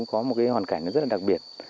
có một cái hoàn cảnh rất là đặc biệt